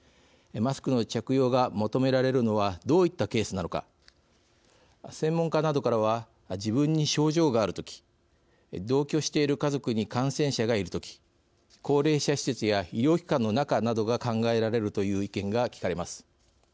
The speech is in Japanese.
マスクの着用が求められるのはどういったケースなのか専門家などからは自分に症状がある時同居している家族に感染者がいる時高齢者施設や医療機関の中などが考えられるという意見が聞かれます。